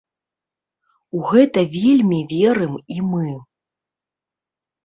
У гэта вельмі верым і мы.